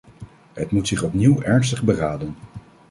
Het moet zich opnieuw ernstig beraden.